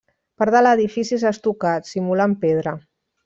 Part de l'edifici és estucat, simulant pedra.